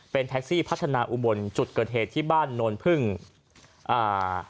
เป็นแท็กซี่พัฒนาอุบลจุดเกิดเหตุที่บ้านโนนพึ่งอ่า